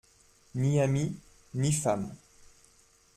Ni ami, ni femme.